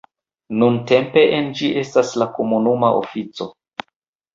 Nuntempe en ĝi estas la komunuma ofico.